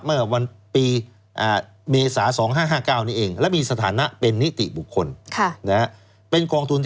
เมื่อวันปีเมษา๒๕๕๙นี้เองและมีสถานะเป็นนิติบุคคล